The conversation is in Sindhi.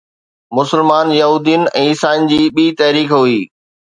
مسلمان يهودين ۽ عيسائين جي ٻي تحريڪ هئي